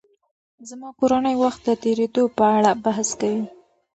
زما کورنۍ وخت د تېرېدو په اړه بحث کوي.